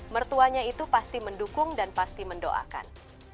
mertuanya itu pasti mendukung dan pasti mendoakan